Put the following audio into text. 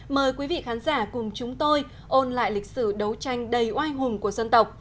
mời quý vị khán giả cùng chúng tôi ôn lại lịch sử đấu tranh đầy oai hùng của dân tộc